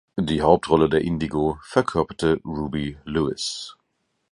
Die Hauptrolle der Indigo verkörperte Ruby Lewis.